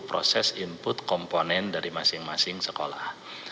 proses input komponen dari masing masing sekolah